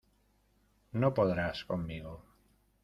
No podrás conmigo.